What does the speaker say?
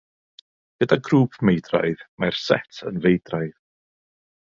Gyda grŵp meidraidd, mae'r set yn feidraidd.